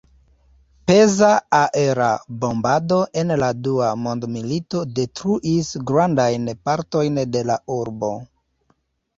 Peza aera bombado en la dua mondmilito detruis grandajn partojn de la urbo.